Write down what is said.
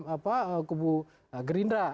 apa kubu gerindra